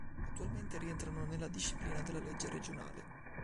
Attualmente rientrano nella disciplina della legge regionale.